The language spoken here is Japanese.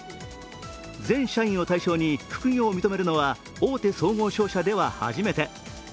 全社員を対象に副業を認めるのは大手総合商社では初めて。